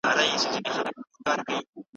هغه د شین چای په څښلو بوخت دی.